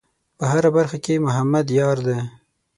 په هره خبره کې محمد یار دی.